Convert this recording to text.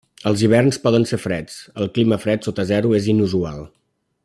Els hiverns poden ser freds, El clima fred sota zero és inusual.